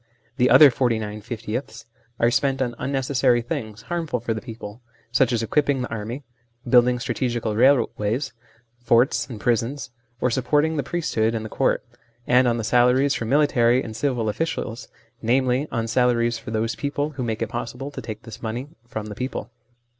The other forty nine fiftieths are spent on unnecessary things, harmful for the people, such as equipping the army, building strategical railways, forts, and prisons, or supporting the priesthood and the court, and on salaries for military and civil officials, i.e. on salaries for those people who make it possible to take this money from the people.